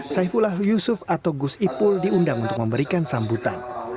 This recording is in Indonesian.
saifullah yusuf atau gus ipul diundang untuk memberikan sambutan